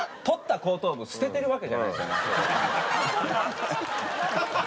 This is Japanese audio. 取った後頭部捨ててるわけじゃないですよね？